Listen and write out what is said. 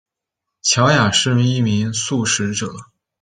乔雅是一名素食者。